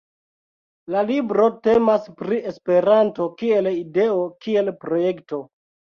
La libro temas pri Esperanto kiel ideo, kiel projekto.